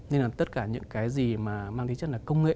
nên là tất cả những cái gì mà mang tính chất là công nghệ